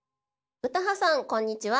・詩羽さんこんにちは。